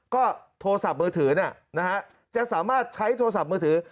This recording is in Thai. ก็โทรศัพท์มือถือจะสามารถใช้โทรศัพท์มือถือ